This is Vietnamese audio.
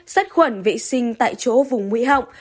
hai sát khuẩn vệ sinh tại chỗ vùng mũi họng